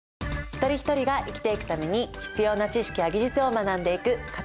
一人一人が生きていくために必要な知識や技術を学んでいく「家庭総合」。